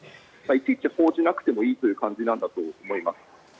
いちいち報じなくていい感じなんだと思います。